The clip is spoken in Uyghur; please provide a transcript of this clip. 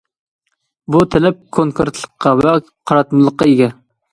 بۇ تەلەپ كونكرېتلىققا ۋە قاراتمىلىققا ئىگە.